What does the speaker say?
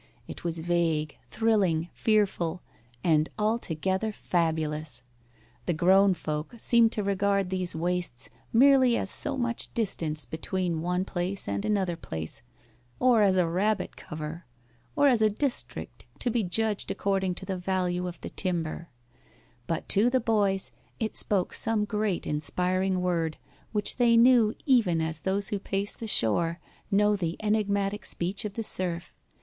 It was vague, thrilling, fearful, and altogether fabulous. The grown folk seemed to regard these wastes merely as so much distance between one place and another place, or as a rabbit cover, or as a district to be judged according to the value of the timber; but to the boys it spoke some great inspiring word, which they knew even as those who pace the shore know the enigmatic speech of the surf.